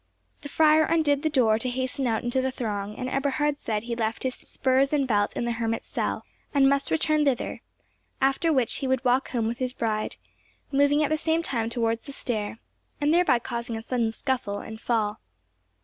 The friar undid the door to hasten out into the throng, and Eberhard said he had left his spurs and belt in the hermit's cell, and must return thither, after which he would walk home with his bride, moving at the same time towards the stair, and thereby causing a sudden scuffle and fall.